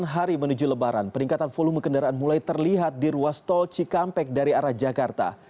sembilan hari menuju lebaran peningkatan volume kendaraan mulai terlihat di ruas tol cikampek dari arah jakarta